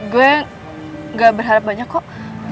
gue gak berharap banyak kok